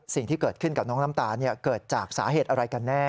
สิ่งที่เกิดขึ้นกับน้องน้ำตาลเกิดจากสาเหตุอะไรกันแน่